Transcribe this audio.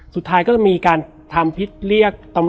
แล้วสักครั้งหนึ่งเขารู้สึกอึดอัดที่หน้าอก